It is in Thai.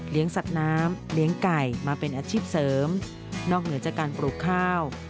สัตว์น้ำเลี้ยงไก่มาเป็นอาชีพเสริมนอกเหนือจากการปลูกข้าว